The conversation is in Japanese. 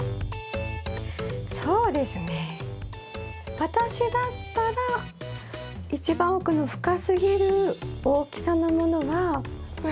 そうですね私だったら一番奥の深すぎる大きさのものは。